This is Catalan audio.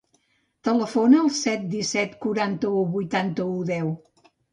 Telefona al set, disset, quaranta-u, vuitanta-u, deu.